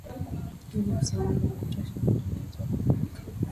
hili Msimamo wa kutosha wa uamuzi wa mamlaka